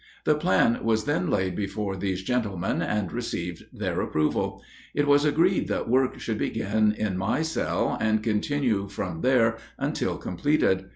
The plan was then laid before these gentlemen, and received their approval. It was agreed that work should begin in my cell, and continue from there until completed.